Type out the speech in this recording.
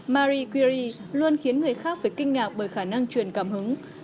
marie curie luôn khiến người khác phải kinh ngạc bởi khả năng truyền cảm hứng